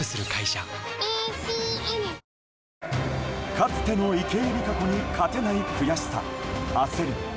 かつての池江璃花子に勝てない悔しさ、焦り。